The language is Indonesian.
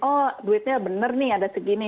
oh duitnya bener nih ada segini